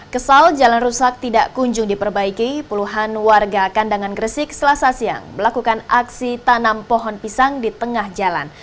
kesal jalan rusak tidak kunjung diperbaiki puluhan warga kandangan gresik selasa siang melakukan aksi tanam pohon pisang di tengah jalan